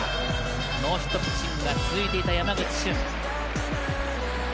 ノーヒットピッチングが続いていた山口俊。